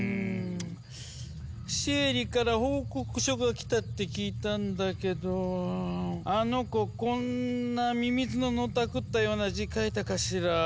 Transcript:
シエリから報告書が来たって聞いたんだけどあの子こんなミミズののたくったような字書いたかしら？